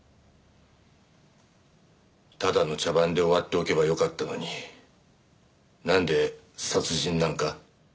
ただの茶番で終わっておけばよかったのになんで殺人なんか。